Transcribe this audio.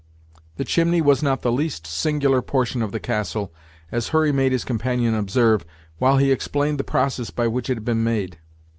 The chimney was not the least singular portion of the castle, as Hurry made his companion observe, while he explained the process by which it had been made.